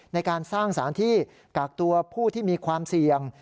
ในการสร้างสารที่กักตัวผู้ที่มีความเสี่ยง